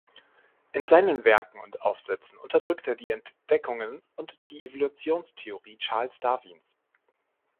In seinen Werken und Aufsätzen unterdrückt er die Entdeckungen und die Evolutionstheorie Charles Darwins.